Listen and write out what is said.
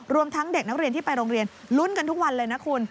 ทั้งเด็กนักเรียนที่ไปโรงเรียนลุ้นกันทุกวันเลยนะคุณ